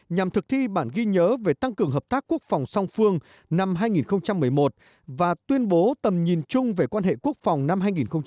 nhằm thực thi bản ghi nhớ về tăng cường hợp tác quốc phòng song phương năm hai nghìn một mươi một và tuyên bố tầm nhìn chung về quan hệ quốc phòng năm hai nghìn một mươi chín